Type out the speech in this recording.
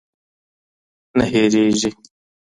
نه هېرېږي